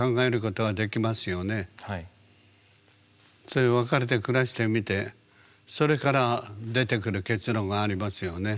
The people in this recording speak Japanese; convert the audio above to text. それで別れて暮らしてみてそれから出てくる結論がありますよね。